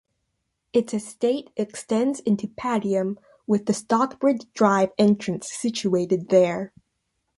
Its estate extends into Padiham, with the Stockbridge Drive entrance situated there.